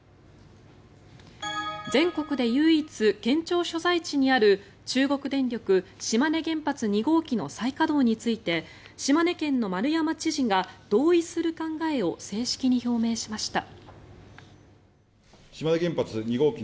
全国で唯一、県庁所在地にある中国電力島根原発２号機の再稼働について島根県の丸山知事が同意する考えを正式に表明しました。